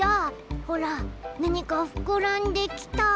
ほらなにかふくらんできた！